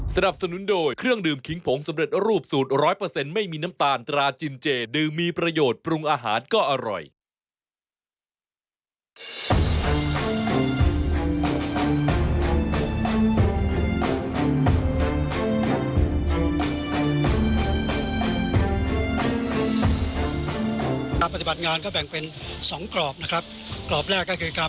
สนับสนุนโดยเครื่องดื่มขิงผงสำเร็จรูปสูตร๑๐๐ไม่มีน้ำตาลตราจินเจดื่มมีประโยชน์ปรุงอาหารก็อร่อย